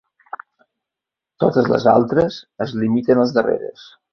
Totes les altres es limiten als darreres.